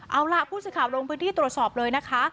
เอาล่ะผู้สื่อข่าวลงพื้นที่ตรวจสอบเลยนะคะ